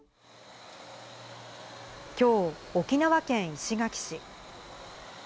きょう、沖縄県石垣市。